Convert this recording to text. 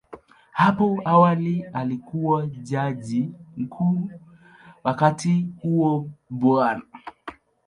Hapo awali alikuwa Jaji Mkuu, wakati huo Bw.